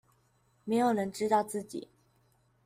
沒有人知道自己